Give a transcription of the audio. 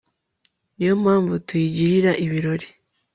ni yo mpamvu tuyigirira ibirori